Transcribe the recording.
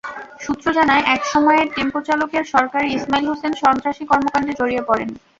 সূত্র জানায়, একসময়ের টেম্পোচালকের সহকারী ইসমাইল হোসেন সন্ত্রাসী কর্মকাণ্ডে জড়িয়ে পড়েন।